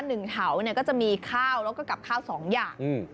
เถาเนี่ยก็จะมีข้าวแล้วก็กับข้าวสองอย่างอืม